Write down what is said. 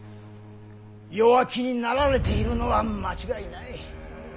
弱気になられているのは間違いない。